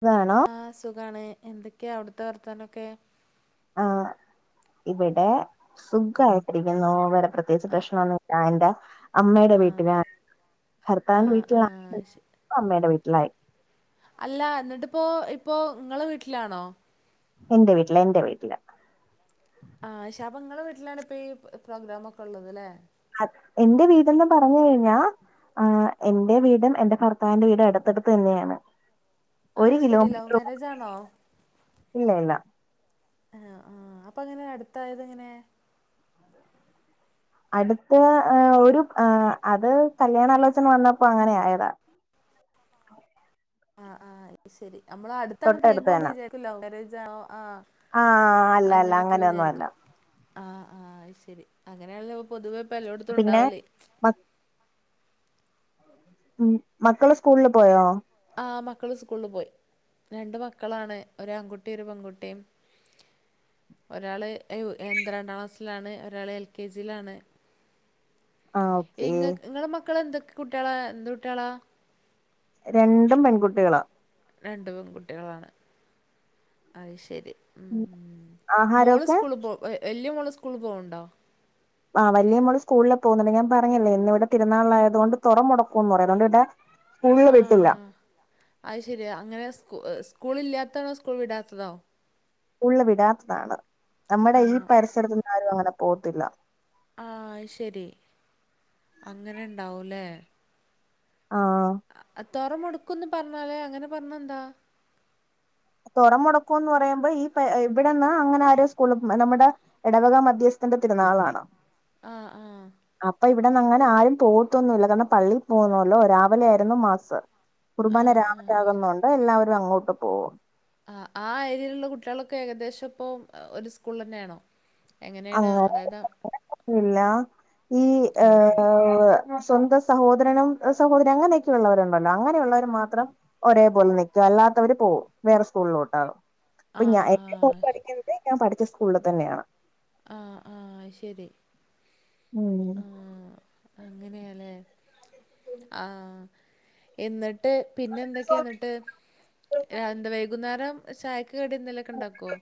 സുഖാണോ? ആഹ് സുഖാണ് എന്തൊക്കെയാ അവിടുത്തെ വർത്തനൊക്കെ ആഹ് ഇവിടെ സുഖായിട്ടിരിക്കുന്നു. വെറെ പ്രത്യേകച്ച് പ്രശ്നോന്നില്ല അന്റെ അമ്മയുടെ ആഹ് വീട്ടിലാ. ഭർത്താവിന്റെ ആഹ് വീട്ടില ആഹ് ശ അമ്മയുടെ വീട്ടിലായി. അല്ല എന്നിട്ടിപ്പോ ഇപ്പോ ഇങ്ങളെ വീട്ടിലാണോ? എന്റെ വീട്ടില് എന്റെവീട്ടില് ആഹ് ശപങ്ങള വീട്ടിലാണ് ഇപ്പൊ ഈ പ്രോഗ്രാം ഒക്കെ ഉള്ളത് ല്ലേ എന്റെ വീടെന്നു പറഞ്ഞു കഴിഞ്ഞാ ആഹ് എന്റെ വീടും എന്റെ ഭർത്താവിന്റെ വീടും അടുത്തടുത്ത് തന്നെയാണ് ഒരു അത് ശരി ലവ് കിലോമീറ്ററ് പോലും മാരേജ് ആണോ ഇല്ല ഇല്ല ആഹ് അപ്പൊ അങ്ങനെ അടുത്തായത് എങ്ങനെ? അടുത്ത് ഒരു അത് കല്യാണാലോചന വന്നപ്പോ അങ്ങനെ ആയതാ ആഹ് ആഹ് ശരി ഞമ്മള് അടുത്താണ് തൊട്ടടുത്ത് കേഴുമ്പോ ഞമ്മള് തന്നെ വിചാരിക്കും ലൗവ് മേരേജ് ആണോ ആഹ് ആഹ് അല്ല അല്ല അങ്ങനൊക്കെ അങ്ങനെയൊന്നും അല്ല വിചാരിക്കും ആഹ് ആഹ് അത്‌ശരി. അങ്ങനയാണല്ലോ പൊതുവേ ഇപ്പ എല്ലോട്ത്തും പിന്നെ ഉണ്ടാവല് മ ഉം മക്കള് സ്കൂളിൽ പോയോ? ആഹ് മക്കള് സ്കൂൾൽ പോയി. രണ്ട് മക്കളാണ് ഒരു ആൺകുട്ടി ഒരു പെൺകുട്ടിയും. ഒരാൾ എ എന്ത്ര രണ്ടാം ക്ലാസ്സിലാണ് ഒരാള് എൽ കെ ജിലാണ് ആഹ് ഓക്കേ ഇങ്ങക്ക് ഇങ്ങളെ മക്കള് എന്തൊക്കെ കുട്ട്യാളാ? എന്ത്‌ കുട്ട്യാളാ? രണ്ടും പെൺകുട്ടികളാ രണ്ടു പെൺകുട്ടികളാണ്. അത് ശരി ഉം മോള് ആഹാരമൊക്കെ സ്കൂൾ പോ വല്യ മോള് സ്കൂൾ പോണ്‌ണ്ടോ? ആഹ് വല്യ മോള് സ്കൂൾല് പോകുന്നുണ്ട്. ഞാൻ പറഞ്ഞില്ലെ ഇന്ന് ഇവിടെ തിര്നാളായത് കൊണ്ട് തൊറമുടക്കുംന്ന് പറയും അുകൊണ്ട് ഇവിടെ സ്കൂളിൽ വിട്ടില്ല ആഹ് അത് ശരി ആഹ് അങ്ങനെ സ്‌കൂ സ്കൂൾ ഇല്ലാത്താണോ സ്കൂൾ വിടാത്തതോ? സ്കൂൾല് വിടാത്തതാണ്. നമ്മുടെ ആ ഈ ആ പരിസരത്ത്ന്ന് ആരും അങ്ങനെ പോകത്തില്ല ആഹ് അത്ശരി അങ്ങനെ ഉണ്ടാവുംല്ലേ ആഹ് ആഹ് തൊറ മുടുക്കുംന്ന് പറഞ്ഞാലേ അങ്ങനെ പറഞ്ഞ എന്താ? തുറ മുടക്കുംന്ന് പറയുമ്പോ ഈ പെ ഇവിടെന്ന് അങ്ങനെ ആര് സ്കൂള് നമ്മുടെ എടവക മധ്യസ്ഥന്റെ തിരനാളാണ് ആഹ് ആഹ് അപ്പൊ ഇവിടന്ന് അങ്ങനെ ആരും പോവൊത്തൊന്നുല്ല കാരണം പള്ളിയിൽ പോന്നോല്ലോ രാവിലെ ആയിരുന്നു മാസ്. ആ കുർബാന ആ രാവിലാകുന്നുണ്ട് എല്ലാവരും അങ്ങോട്ട് പോവും ആഹ് ആ ഏരിയയിലുള്ള കുട്ടികളൊക്കെ ഏകദേശം ഇപ്പം ഒരു സ്കൂളന്നെയാണോ? അങ്ങനെ [unintelligible] ഇല്ല ഈ ആ ഏഹ് സ്വന്തം സഹോദരനും സഹോദരിയും അങ്ങനെയൊക്കെ ഉള്ളവരുണ്ടല്ലോ അങ്ങനെയുള്ളവര് മാത്രം ഒരേ പോലെ നൽക്കും. അല്ലാത്തവര് പോകും. വേറെ സ്കൂളിലോട്ടാണ്‌. അപ്പൊ ആ ഞ ആ [unintelligible] ഞാൻ പഠിച്ച സ്കൂളിൽ തന്നെയാണ്. ആഹ് ആഹ് അത്‌ ശരി ഉം ആഹ് അങ്ങനെയാലേ ആഹ് എന്നിട്ട് പിന്നെന്തെക്കെയാ ന്നിട്ട് രാ എന്ത വൈകുന്നേരം ചായക്ക് കടിന്നെലൊക്കെണ്ടാക്കുവോ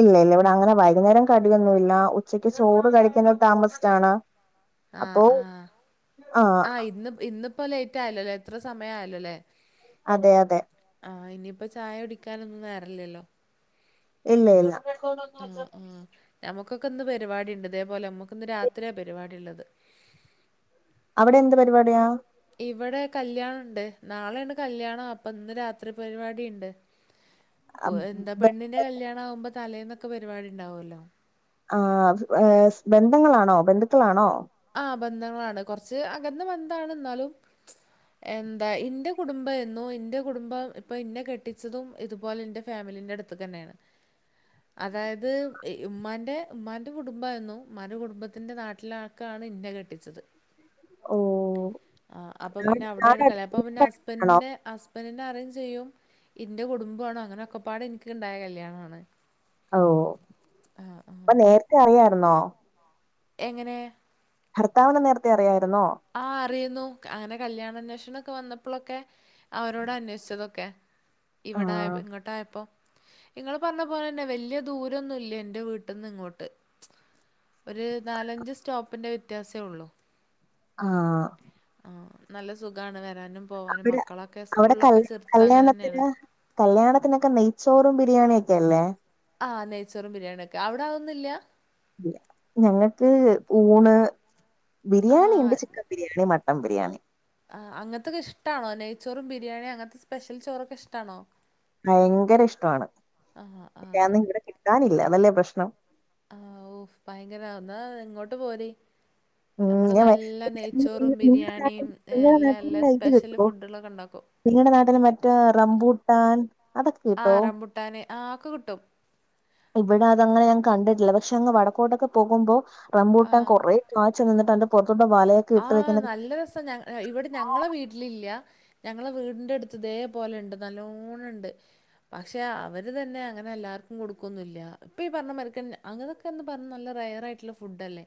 ഇല്ല ഇല്ല ഇവിടങ്ങനെ വൈകുന്നേരം കടിയൊന്നുവില്ല. ഉച്ചക്ക് ചോറ് കഴിക്കുന്നത് താമസിച്ചാണ് ആഹ് അപ്പോ ആഹ് ആ ആഹ് ഇന്ന് ഇന്നിപ്പോ ലേറ്റ് ആയല്ലോല്ലേ എത്ര സമയായല്ലോല്ലേ അതെയതെ ആഹ് ഇനിയിപ്പോ ചായ കുടിക്കാനൊന്നും നേരല്ലല്ലോ ഇല്ല ഇല്ല ആഹ് ആഹ് ഞമ്മുക്കൊക്കെന്ന് പരിപാടിണ്ട് ഇതേപോലെ നമ്മക്ക് ഇന്ന് രാത്രിയാ പരിപാടിള്ളത് അവിടെ എന്ത് പരിപാടിയാ ഇവിടെ കല്യാണണ്ട് നാളെയാണ് കല്യാണം അപ്പൊന്ന് രാത്രി പരിപാടിണ്ട് ആ പൊ എന്താ ബ- പെണ്ണിന്റെ കല്യാണാവുമ്പോ തലേന്നൊക്കെ പരിപാടിണ്ടാവല്ലോ ആ ബന്ധങ്ങളാണോ ബന്ധുക്കളാണോ ആ ബന്ധങ്ങളാണ് കൊറച്ച് അകന്ന് ബന്ധാണ് എന്നാലും എന്താ ഇന്റെ കുടുംബം എന്നോ എന്റെ കുടുംബം ഇപ്പൊ ഇന്നെ കെട്ടിച്ചതും ഇതുപോലെ എന്റെ ഫാമിലിന്റ അടുത്ത് തന്നെയാണ് അതായത് ഉമ്മാന്റെ ഉമ്മാന്റെ കുടുംബായിരുന്നു ഉമ്മാന്റെ കുടുംബത്തിന്റെ നാട്ടിലാ ക്കാണ് ഇന്ന കെട്ടിച്ചത് ഓ ആ അപ്പ പിന്നെ അവിടെയാണ് കല അപ്പൊ പിന്നെ ആണോ ഹസ്ബൻന്റെ ബന്റിന അറിയുംചെയ്യും ഇന്റെ കുടുംബാണ് അങ്ങനൊക്കെ പാട് എനിക്ക് ഉണ്ടായ കല്യാണാണ് ഓ ആഹ് അപ്പ ആഹ് നേരത്തെ അറിയാരുന്നോ എങ്ങനെ ഭർത്താവിന് നേരത്തെ അറിയാരുന്നോ ആഹ് അറിയുന്നു അങ്ങനെ കല്യാണാന്വേഷണൊക്കെ വന്നപ്പോളൊക്കെ അവരോട അന്വേഷിച്ചതൊക്കെ ഇവിടായപ ആഹ് ഇങ്ങോട്ടായപ്പോ ഇങ്ങള് പറഞ്ഞ പോലെന്നെ വല്യ ദൂരൊന്നുല്ല എന്റെ വീട്ടിന്ന് ഇങ്ങോട്ട് ഒര് നാലഞ്ച് സ്റ്റോപ്പിൻ്റെ വ്യത്യാസേ ഒള്ളൂ ആഹ് ആഹ് നല്ല സുഖാണ് വരാനും പോവാനും അവിടെ മക്കളൊക്കെ അവിടെ സ്കൂളിലൊക്കെ കല് ചേർത്ത് അങ്ങനെന്നെയാണ് കല്യാണത്തിന് കല്യാണത്തിനെക്കെ നെയ്ച്ചോറും ബിരിയാണിയെക്കെ അല്ലേ ആഹ് നെയ്ച്ചോറും ബിരിയാണിയെക്കെ അവിടാതൊന്നില്ല ഞങ്ങക്ക് ഊണ് ആഹ് ബിരിയാണിണ്ട് ചിക്കൻ ബിരിയാണി മട്ടൺ ബിരിയാണി ആഹ് അങ്ങൻത്തൊക്കെ ഇഷ്ടാണോ നെയ്ച്ചോറും ബിരിയാണിയും അങ്ങനത്തെ സ്പെഷ്യൽ ചോറൊക്കെ ഇഷ്ടാണോ ഭയങ്കര ഇഷ്ടവാണ് ആഹ് പക്ഷെ ആഹ് ആന്നും ഇവിടെ കിട്ടാനില്ല അതല്ലേ പ്രശ്നം ആ ഓ ഭയങ്കര ന്നാ ഇങ്ങോട്ട് പോര് ഉം നമ്മള് ഞാൻ വെ- നല്ല നി- നെയ്ച്ചോറും നി- നിങ്ങളുടെ നാട്ടിൽ ബിരിയാണിയും നിങ്ങളുടെ എല്ലാ എല്ലാ സ്പെഷ്യല് ഫുഡൊളൊക്കെ ഉണ്ടാക്കും നിങ്ങടെ നാട്ടില് മറ്റേ റംബൂട്ടാൻ അതൊക്കെ കിട്ടോ ട്ടാന് ആ ഒക്കെ കിട്ടും ഇവിടെ അതങ്ങനെ ഞാങ്കണ്ടിട്ടില്ല പക്ഷെ അങ്ങ് വടക്കോട്ടൊക്കെ പോകുമ്പോ റംബൂട്ടാൻ ആഹ് കൊറേ കാച്ച് നിന്നിട്ടാന്റെ പൊറത്തോട്ട് വലയെക്കെ ഇട്ട് ആഹ് നിക്കുന്ന നല്ല രസ ആഹ് ഇവിടെ ഞങ്ങളെ വീട്ടിലില്ല്യ ഞങ്ങളെ വീടിന്റടുത്ത് ഇതേ പോലെണ്ട് നല്ലോണണ്ട് പക്ഷെ അവര് തന്നെ അങ്ങനെ എല്ലാവർക്കും കൊടുക്കുവൊന്നുല്ല്യ ഇപ്പ ഈ പറഞ്ഞ മരക്ക അങ്ങനെയൊക്കെന്ന് പറഞ്ഞാൽ നല്ല റെയറായിട്ടുള്ള ഫുഡ് അല്ലേ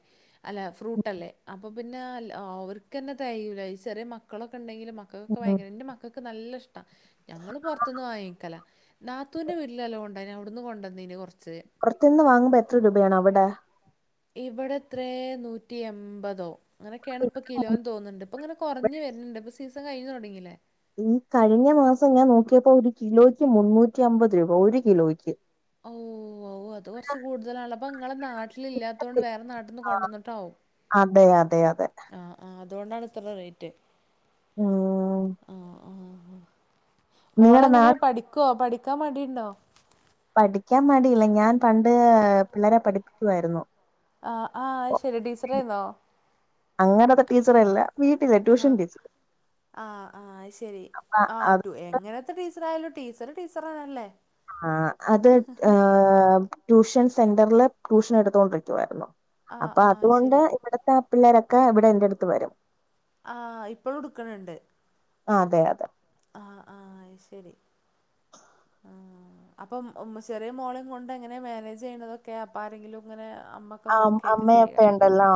അല്ല ഫ്രൂട്ട് അല്ലേ അപ്പം പിന്നെ ലാവര്ക്ക് തന്നെ തെയൂല്ല ഈ ശെറിയ മക്കളൊക്കെണ്ടെങ്കില് മക്കക്കൊക്കെ ഉം. ഭയങ്കര എൻ്റെ മക്ക ക്കക്ക് നല്ലഷ്ടാ ഞങ്ങള് പൊറത്തുന്ന് വാങ്ങിക്കല നാത്തൂൻ്റെ വീട്ടിലെല്ലാ ഒണ്ടായിനി അവിടുന്ന് കൊണ്ടുവന്നേനി കൊറച്ച് പൊറത്തുന്ന് വാങ്ങുമ്പോ എത്ര രൂപയാണവിടെ ഇവിടെത്രേ നൂറ്റി എമ്പതോ ഇങ്ങനൊക്കെണ് ഇപ്പ കിലോന്ന് തോന്ന്ണ്ട് ഇപ്പ ഇങ്ങന കൊർഞ്ഞ് വര്ന്ന്ണ്ട് ഇപ്പ സീസൺ കഴിഞ്ഞ് തുടങ്ങില്ലേ ഉം കഴിഞ്ഞ മാസം ഞാൻ നോക്കിയപ്പോ ഒരു കിലോയ്ക്ക് മുന്നൂറ്റി അമ്പത് രൂപ ഒരു കിലോയ്ക്ക് ഓ ഓ അത് കുറച്ച കൂടുതലാണ് അപ്പ ങ്ങളെ നാട്ടില ഇല്ലാത്തോണ്ട് വേറെ നാട്ട ട്ട്ന്ന് ആഹ് കൊണ്ടുന്നിട്ടാവും അതെ അതെ അതെ. ആഹ് ആഹ് അതുണ്ടാണ് ഇത്ര റേറ്റ് ഉം ആഹ് ആഹ് നിങ്ങടെ മോളെങ്ങനെ നാട് പഠിക്കുവോ പഠിക്കാൻ മടിണ്ടോ പഠിക്കാൻ മടിയില്ല ഞാൻ പണ്ട് പിള്ളേരെ പഠിപ്പിക്കുആയിരുന്നു ആഹ് ആഹ് ശരി ടീച്ചറായിന്നോ അങ്ങനത്തെ ടീച്ചർല്ല വീട്ടില് ട്യൂഷൻ ടീച്ചർ ആഹ് ആഹ് ശെരി ആഹ് ടു എങ്ങനത്തെ ടീച്ചർയാലോ ടീച്ചർ ടീച്ചറന്നല്ലേ ആഹ് അത് ഏ ട്യൂഷൻ സെന്ററില് ട്യൂഷൻ എടുത്തൊണ്ടിരിക്കുവായിരുന്നു ആ അപ്പൊ ആ അത് അതുകൊണ്ട് ശരി ഇവിടത്തെ പിള്ളേരൊക്കെ ഇവിടെ എന്റെ അടുത്ത് വരും ആ ഇപ്പളും എട്ക്ക്ണ്‌ ണ്ട് അതെ അതെ ആഹ് ആഹ് ശരി ആഹ് അപ്പം ചെറിയ മോളും കൊണ്ട് എങ്ങനെ മാനേജ് ചെയ്യണതൊക്കെ അപ്പ ആരെങ്കിലും ഇങ്ങനെ അമ്മ ആ അമ്മയപ്പ ഉണ്ടല്ലോ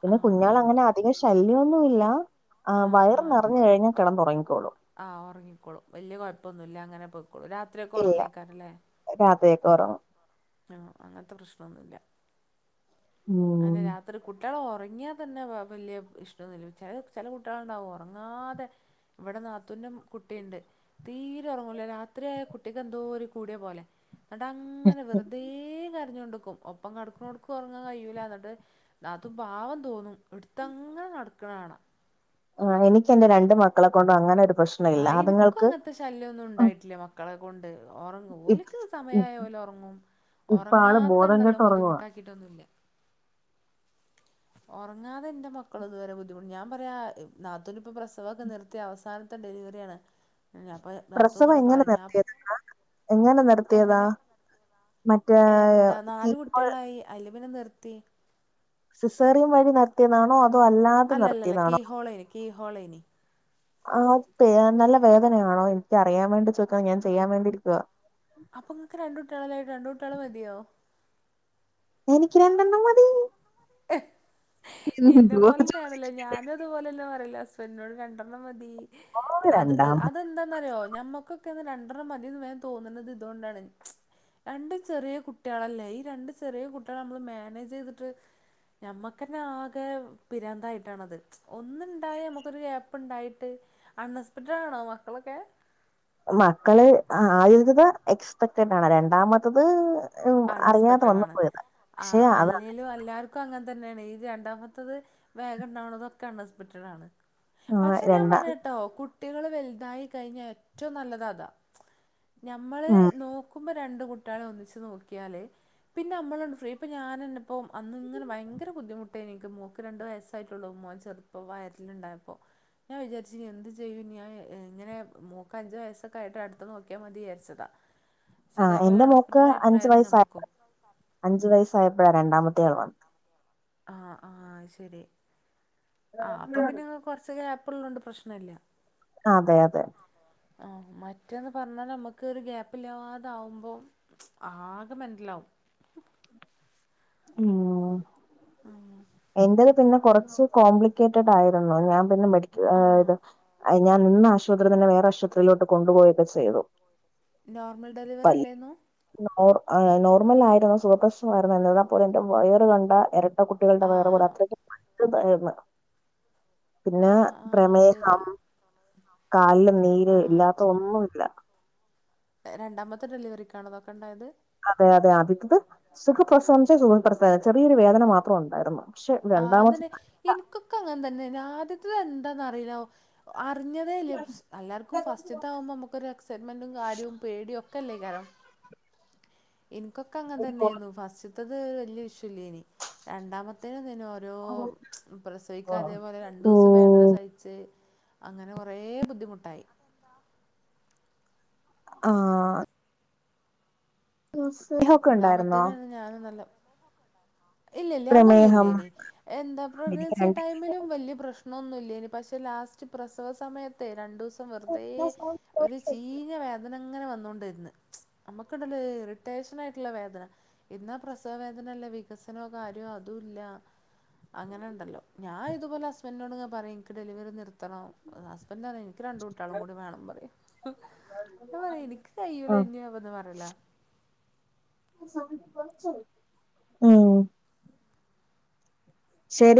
പിന്നെ ആഹ് കുഞ്ഞൾ ആഹ് അങ്ങനെ അധികം ശല്യന്നുല്ല ആ ആഹ് വയർ ആഹ് നിറഞ്ഞ് കഴിഞ്ഞ കിടന്ന് ഉറങ്ങിക്കോളൂ ആഹ് ഉറങ്ങിക്കോളും വലിയ കുഴപ്പൊന്നുല്ല അങ്ങനെ പോയിക്കോളും രാ ത്രയൊക്കെ ഇല്ല ഉറങ്ങേക്കാറല്ലേ രാത്രിയൊക്കെ ഉറങ്ങും. ആഹ് അങ്ങനത്തെ പ്രശ്നംന്നുല്ല ഉം ന്നെ രാത്രി കുട്ടിളെ ഉറങ്ങിയാ തന്നെ വലിയ ഇഷ്ടന്നുല്ല ചില ചില കുട്ടികളുണ്ടാവും ഉറങ്ങാതെ ഇവിടെതാ ത്തുന്റെ കുട്ടിണ്ട് തീരെ ഉറങ്ങുല രാത്രിആയ കുട്ടിക്ക് എന്തോ ഒരു കൂടിയ പോലെ എന്നട്ട് അങ്ങനെ വെറുതെ കരഞ്ഞു കൊണ്ടക്കും ഒപ്പം കടക്കു കൊടുക്കും ഉറങ്ങാൻ കഴിയൂല എന്നിട്ട് നാത്തൂ പാവം തോന്നും എടുത്തങ്ങനെ നട്ക്ക്ണാണ ആഹ് എനിക്ക് എന്റെ രണ്ട് മക്കളെ കൊണ്ട് അങ്ങനെ ഒരു പ്രശ് ആഹ് എനിക്കും അങ്ങനത്തെ ശല്യംന്നും ഉണ്ടായിട്ടില്ല മ മക്കളെ കൊണ്ട് ഉറങ്ങും ഇപ് ഓൽക്ക് ഇപ് സമയായ ഒലെ ഉറങ്ങും ഇപ്പ ആള് ബോധം കെട്ട് ഉറങ്ങാത്തണ്ടെല്ലാം ഉറങ്ങുവാ. ബുദ്ധിമുട്ടാക്കി കിട്ടൊന്നുല്ല ഉറങ്ങാതെ എന്റെ മക്കൾ ഇതുവരെ ബുദ്ധിമുട്ട ഞാ പറയാ നാത്തൂനി ഇപ്പൊ പ്രസവക്കെ നിർ ത്തെ അവസാനത്തെ ഡെലിവറിയാണ് ഞപ്പ നാത്തു പ്രസവം ഇങ്ങനെ എങ്ങനെ പറിം നിർത്തിയതാ എങ്ങനെ നിർത്തിയതാ എങ്ങനെ മറ്റേ എന്താ നാലു കീമോ കുട്ടിളായി അയ്ല് പിന്നെ നിർത്തി സിസേറിയൻ വഴി നടത്തിയതാണോ അതോ അല്ലാ അല്ല അല്ല കീ ഹോളനി കീ ഹോളനി ആ നല്ല വേദനയാണോ എൻക്ക് അറിയാൻ വേണ്ടി ചോയ്ക്കാ ഞാൻ ചെയ്യാൻ വേണ്ടിയിരിക്കുവ അപ്പൊ ങ്ങക്ക് രണ്ടുട്ടള് ആയെ രണ്ടുട്ടിയളെ മതിയോ എനിക്ക് രണ്ടണ്ണം മതി ഇന്നെ എന്തുവാ ചോ പോലത്തെണല്ലേ ഞാനും ഇത്പൊലല്ല ഹസ്ബൻഡിനോട് രണ്ടണ്ണം മതി ഓഹ് അത് രണ്ടാമത് അതെന്താന്നറിയോ ഞമ്മക്ക് രണ്ടെണ്ണം മതിന്ന് വേം തോന്ന്ണത് ഇതോണ്ടാണ് രണ്ട് ചെറിയ കുട്ടിയളല്ലേ ഈ രണ്ട് ചെറിയ കുട്ടിയളെ നമ്മള് മാനേജ് ചെയ്തിട്ട് ഞമ്മക്കന്നെ ആകെ പിരാന്തായിട്ടാണത് ഒന്നുണ്ടായി അമ്മക്കൊരു ഗ്യാപ്പ് ഇണ്ടായിട്ട് അൺഎക്സ്‌പെക്റ്റഡാണോ മക്കളൊക്കെ മക്കള് ആദ്യത്തത് എക്സ്പെക്റ്റഡാണ് രണ്ടാമത്തത് അറിയാതെ വന്നു അൺഎസ്പെക്റ്റണ് പോയതാ ആ പക്ഷെ അത് അല്ലേലും എല്ലാർ ക്കൊ അങ്ങൻ തന്നെണ് ഈ രണ്ടാമത്തത് വേഗംണ്ടാവണതൊക്കെ അൺഎസ്പെറ്റഡാണ് ആഹ് പക്ഷെ ഞാൻ രണ്ടാ പറയട്ടോ കുട്ടികള് വൽതായി കഴിഞ്ഞ ഏറ്റവും നല്ലതതാ ഞമ്മള് ഉം നോക്കുമ്പോ രണ്ട് കുട്യളെ ഒന്നിച്ച് നോ ക്കിയാല് പിന്നെ അമ്മളണ്ട് ഫ്രീ ഇപ്പൊ ഞാനെന്നിപ്പോ അന്നിങ്ങനെ ഭയങ്കര ബുദ്ധിമു [unintelligible] മോക്ക് രണ്ട് വയസ്സായിട്ടുള്ളൂ, മോൻ ചെറുപ്പോ വയറ്റിലിണ്ടായപ്പോ ഞാൻ വിചാരിച്ചിഇനി എന്ത് ചെയ്യും ഞാൻ ഇങ്ങനെ മോക്ക് അഞ്ച് വയസ്സൊക്കെ ആയിട്ട് അടുത്ത നോക്കിയാ മതി വിചാരിച്ചതാ ആഹ് ഇതേപോലെ എന്റെ മോക്ക് അണെസ്പെക്റ്റഡായി അഞ്ചു വയസ് ആയഅഞ്ചു വയസായപ്പോഴാ രണ്ടാമത്തെ ആള് വന്ന് ത് ആഹ് ആഹ് ശരി ആ അപ്പൊ പിന്നെ കുറച്ച് ക്യപ് ഉള്ളത്കൊണ്ട് പ്രശ്നല്ല അതെ അതെ മറ്റേന്ന് പറഞ്ഞാ ഞമ്മക്ക് ഒരു ഗ്യാപ്പില്ലാതാവുമ്പോ ആകെ മെൻ്റൽ വും ഉം ആഹ് [inaudible] എന്റത് പിന്നെ കുറച്ച് കോംപ്ലിക്കേറ്റ്ടയിരുന്നു ഞാൻ പിന്നെ മെഡിക് ഏഹ് ആഹ് ഇത് അത് ഞാൻ നിന്ന ആശുപത്രിന്നെന്നെ വേറെ ആശപത്രിയിലോട്ട് കൊണ്ടുപോയൊക്കെ ചെയ്തു നോർമൽ ഡെലിവറി വൽ അല്ലേന്നു നോർ നോർമൽ ആയിരുന്നു സുഖപ്രസവമായിരുന്നു എന്നിരുന്നാപ്പോലും എന്റെ വയറ് കണ്ടാ ഇരട്ടക്കുട്ടികളുടെ വയർ ആഹ് [unintelligible] പിന്നെ ആഹ് ആഹ് ശരി പ്രമേഹം കാലില് നീര് ആഹ് ഇല്ലാത്തതൊന്നുല്ല രണ്ടാമത്തെ ഡെലിവറിക്കാണോ ഇതൊക്കെണ്ടായത് അതെ അതെ ആദ്യത്തത് സുഖപ്രസവംന്ന് വെച്ചാ സുഖപ്രസവം ചെറിയൊരു വേദന മാത്രം ഉണ്ടായിരുന്നു പക്ഷെ രണ്ടാമത്തെ ആഇനിക്കൊക്കെ അങ്ങനെ തന്നായ് ആദ്യത്തെ എന്താന്ന്റിയില്ല അറിഞ്ഞതേയില്ല എല്ലാർക്കും ഫസ്റ്റ്ത്താവുമ്പോ അമ്മക്കൊരു എക്സൈറ്റ്മെന്റും കാര്യവും പേടിയും ഒകെ കല്ലേകാരം ഇനിക്കൊക്കെ അങ്ങനെ തന്നെയായിരുന്നു ഫസ്റ്റ് ത്തത് വല്യ വി ശ്യൂല്ലേ യ്ന് രണ്ടാമത്തേന് പിന്നെ ഓരോ പ്രസവിക്ക അതേപോലെ ഓ രണ്ടൂസം വേദന സഹി ച്ച് അങ്ങനെ കുറേ ബുദ്ധിമുട്ടായി. ആഹ്. [unintelligible] ഉണ്ടായിരുന്നോ [unintelligible] ഇല്ലില്ല പ്രമേഹം അതൊന്നുല്ലേനി എന്താ എനിക്ക് പ്രഗ്നൻസി രണ്ട് ടൈമിലും വല്യ പ്രശ് ണൊന്നില്ലേനി പക്ഷെ ലാസ്റ്റ് പ്രസവ സമയത്തെ രണ്ടൂസം വെർതെ ഒരു ചീ വേദന ഇങ്ങനെ വന്നോണ്ടിരുന്ന്. അമ്മക്കുണ്ടല്ലോ ഒരു ഇറിറ്റേഷനായിട്ടുള്ള വേദന ഇന്നാ പ്രസവ വേദനല്ല വെ വികസനോ കാര്യോ അതു ഇല്ല അങ്ങനെ ഉണ്ടല്ലോ, ഞാൻ ഇതുപോലെ ഹസ്ബൻഡിനോട്ങ്ങനെ പറയും ക്ക് ഡെലിവറി നിർത്തണം. ഹസ്ബൻഡ് പറയും എനിക്ക് രണ്ട് കുട്ടികളുംകൂടി വേണം പറയും. ഞാൻ പറയും എനിക്ക് കയ്യൂല ഇനി അപ്പൊന്നും പറയലാ [unintelligible] മം ശരി